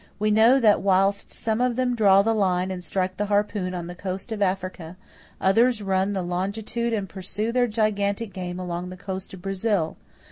We know that, whilst some of them draw the line and strike the harpoon on the coast of Africa, others run the longitude and pursue their gigantic game along the coast of Brazil.